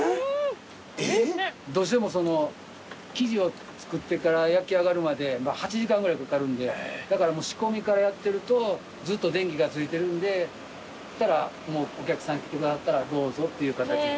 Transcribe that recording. えっ？どうしても生地を作ってから焼き上がるまで８時間ぐらいかかるんでだから仕込みからやってるとずっと電気がついてるんでお客さん来てどうぞっていう形で。